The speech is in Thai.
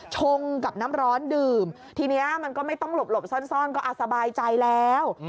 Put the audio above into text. ชงกับน้ำร้อนดื่มทีนี้มันก็ไม่ต้องหลบซ่อนก็สบายใจแล้ว